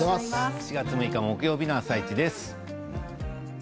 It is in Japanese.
４月６日木曜日の「あさイチ」です。